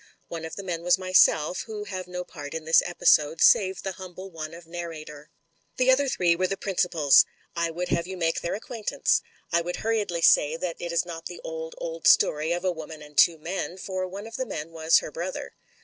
One of the men was myself, who have no part in this episode, save the humble one of narrator. The other three were the principals ; I would have you make their acquaintance. I would hurriedly say that it is not the old, old story of a woman and two men, for one of the men was her brother.